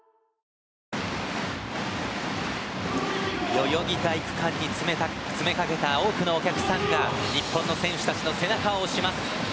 代々木体育館に詰めかけた多くのお客さんが日本の選手たちの背中を押します。